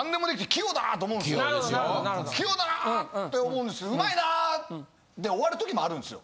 器用だなって思うんですけど上手いなで終わる時もあるんですよ。